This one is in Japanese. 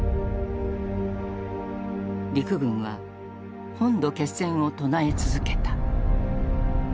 陸軍は本土決戦を唱え続けた。